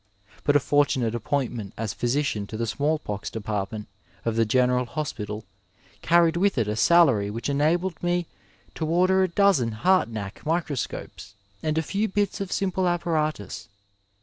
but a fortunate appointment as physician to the smallpox department of the General Hospital carried with it a salary which enabled me to order a dozen Hartnack microscopes and a few bits of simple apparatus.